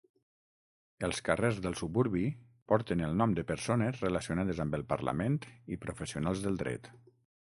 Els carrers del suburbi porten el nom de persones relacionades amb el parlament i professionals del dret.